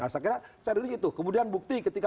saya dulu gitu kemudian bukti ketika